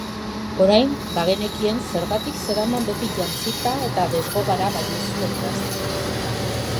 Orain bagenekien zergatik zeraman beti jantzita eta desgogara baino ez zuen eranzten.